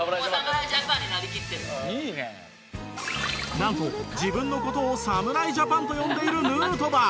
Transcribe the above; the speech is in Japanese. なんと自分の事を「侍ジャパン」と呼んでいるヌートバー。